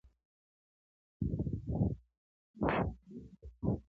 یو دي زه یم په یارۍ کي نور دي څو نیولي دینه-